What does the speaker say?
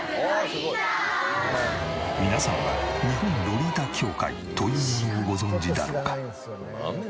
皆さんは日本ロリータ協会というものをご存じだろうか？